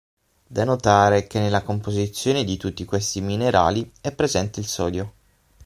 Da notare che nella composizione di tutti questi minerali è presente il sodio.